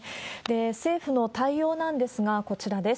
政府の対応なんですが、こちらです。